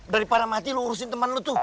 daripada mati lo urusin temen lo tuh